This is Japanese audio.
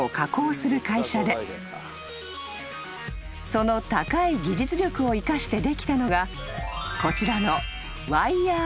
［その高い技術力を生かしてできたのがこちらの］